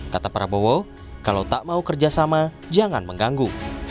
kata prabowo kalau tak mau kerjasama jangan mengganggu